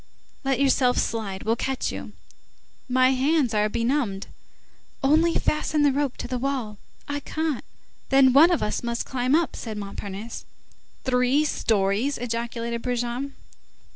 "Let yourself slide, we'll catch you." "My hands are benumbed." "Only fasten the rope to the wall." "I can't." "Then one of us must climb up," said Montparnasse. "Three stories!" ejaculated Brujon.